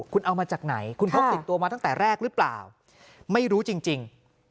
คุณเอามาจากไหนคุณพกติดตัวมาตั้งแต่แรกหรือเปล่าไม่รู้จริง